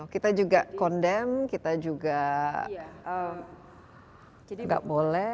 kita juga kondem kita juga tidak boleh